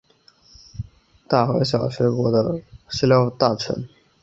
大和小学国的食料大臣。